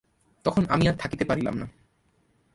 তখন আমি আর থাকিতে পারিলাম না।